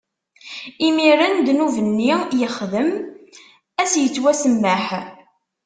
Imiren ddnub-nni yexdem ad s-ittwasemmeḥ.